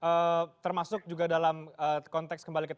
oke termasuk juga dalam konteks kembali ke nu ya